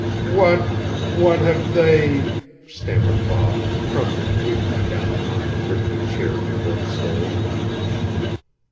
"What what have they " stammered Bob, crumpling weakly down upon the rickety chair before the stove.